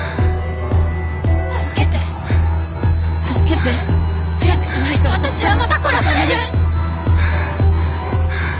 助けて助けて！早くしないと私はまた殺される！